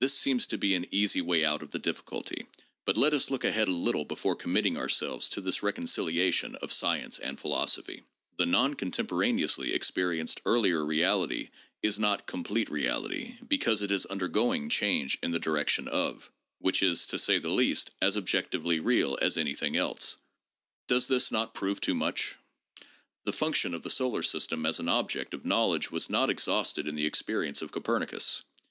This seems to be an easy way out of the difficulty, but let us look ahead a little before committing ourselves to this recon ciliation of science and philosophy. "The non contemporane ously experienced earlier reality" is not complete reality, be cause it is undergoing " change in the direction of, which is, to say the least, as objectively real as anything else." Does not this prove too much ? The function of the solar system as an object of knowledge was not exhausted in the experience of Copernicus.